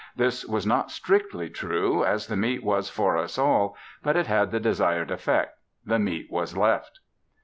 This was not strictly true as the meat was for us all, but it had the desired effect. The meat was left.